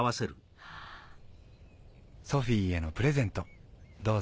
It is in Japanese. ソフィーへのプレゼントどうぞ。